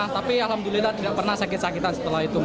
tapi alhamdulillah tidak pernah sakit sakitan setelah itu